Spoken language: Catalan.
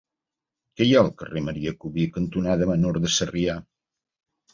Què hi ha al carrer Marià Cubí cantonada Menor de Sarrià?